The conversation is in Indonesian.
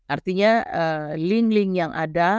artinya link link yang ada